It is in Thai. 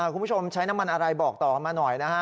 คุณผู้ชมใช้น้ำมันอะไรบอกต่อมาหน่อยนะฮะ